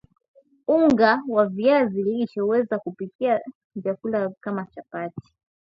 unga wa viazi lishe huweza kupikia vyakula kama chapati